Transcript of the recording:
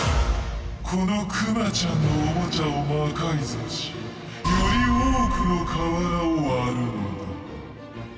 このクマちゃんのオモチャを魔改造しより多くの瓦を割るのだ。